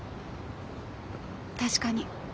確かに。